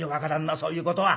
そういうことは。